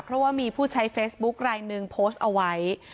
เพราะว่ามีผู้ใช้เฟซบุ๊คลายหนึ่งโพสต์เอาไว้